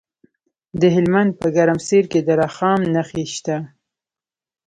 د هلمند په ګرمسیر کې د رخام نښې شته.